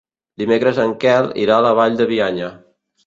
Dimecres en Quel irà a la Vall de Bianya.